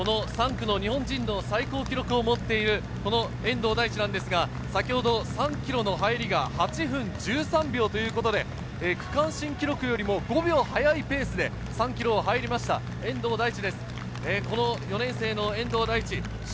３区の日本人の最高記録を持っている遠藤大地ですが、先ほど３ｋｍの入りが８分１３秒ということで、区間新記録よりも５秒速いペースで３ｋｍに入りました遠藤大地です。